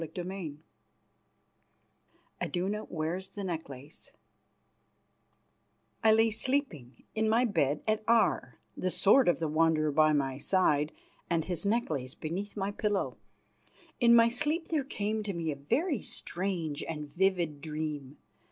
CHAPTER IV IDUNA WEARS THE NECKLACE I lay sleeping in my bed at Aar, the sword of the Wanderer by my side and his necklace beneath my pillow. In my sleep there came to me a very strange and vivid dream.